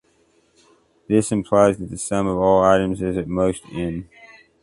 This implies that the sum of all items is at most "m".